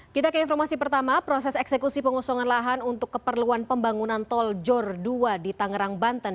kita ke informasi pertama proses eksekusi pengosongan lahan untuk keperluan pembangunan tol jor dua di tangerang banten